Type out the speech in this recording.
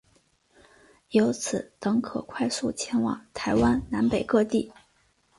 由此等可快速前往台湾南北各地。